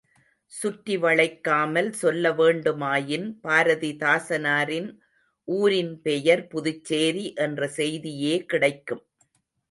சுற்றி வளைக்காமல் சொல்ல வேண்டுமாயின், பாரதிதாசனாரின் ஊரின் பெயர் புதுச்சேரி என்ற செய்தியே கிடைக்கும்.